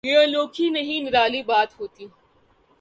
یہ انوکھی نہیں نرالی بات ہوتی۔